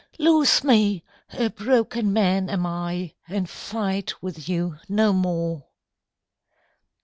"Loose me! a broken man am I, And fight with you no more.''